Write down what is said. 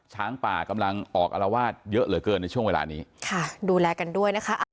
ช้างป่ากำลังออกอารวาสเยอะเหลือเกินในช่วงเวลานี้ค่ะดูแลกันด้วยนะคะ